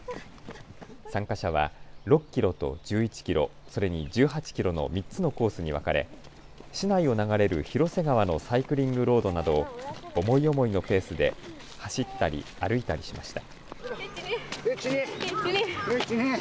参加者は６キロと１１キロ、それに１８キロの３つのコースに分かれ市内を流れる広瀬川のサイクリングロードなどを思い思いのペースで走ったり歩いたりしました。